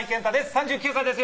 ３９歳です